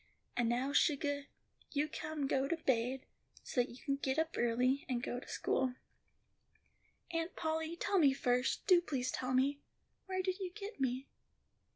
"And now, sugah, you come go to baid, so you can get up early, and go to school." "Aunt Polly, tell me first, do please tell me, where did you get me?"